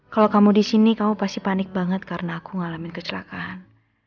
kalau kamu di sini kamu pasti panik banget karena aku ngalamin kecelakaan